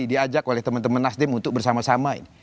diajak oleh teman teman nasdem untuk bersama sama